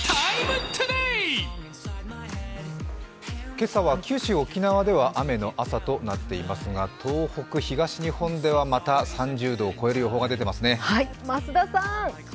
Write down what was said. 今朝は九州、沖縄では雨の朝となっていますが、東北、東日本では、また３０度を超える予報が出ていますね。